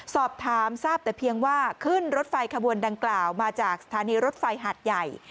สอบถามทราบแต่เพียงว่าขึ้นรถไฟขบวนดังกล่าวมาจากสถานีรถไฟหาดใหญ่